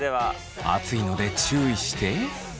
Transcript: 熱いので注意して。